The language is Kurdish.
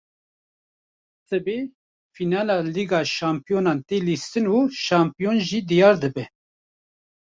Sibê fînala Lîga Şampiyonan tê lîstin û şampiyon jî diyar dibe